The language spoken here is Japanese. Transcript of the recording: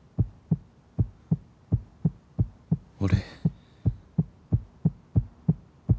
俺。